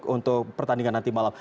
untuk pertandingan nanti malam